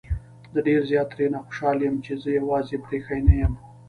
ډېر زيات ترې نه خوشحال يم زه يې يوازې پرېښی نه يم